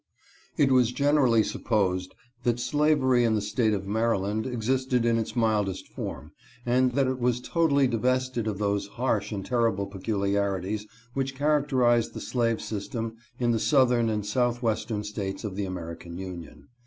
IT was generally supposed that slavery in the State of Maryland existed in its mildest form, and that it was totally divested of those harsh and terrible peculiarities which characterized the slave system in the Southern and South Western States of the American Union.